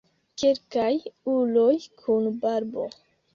Kelkaj uloj kun barbo.